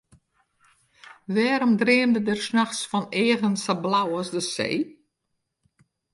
Wêrom dreamde er nachts fan eagen sa blau as de see?